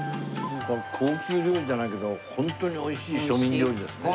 高級料理じゃないけどホントに美味しい庶民料理ですね。